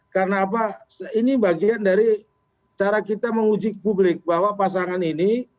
karena apa ini bagian dari cara kita menguji publik bahwa pasangan ini